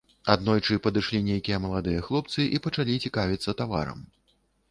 Аднойчы падышлі нейкія маладыя хлопцы і пачалі цікавіцца таварам.